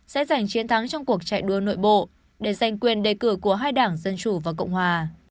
sẽ giành chiến thắng trong cuộc chạy đua nội bộ để giành quyền đề cử của hai đảng dân chủ và cộng hòa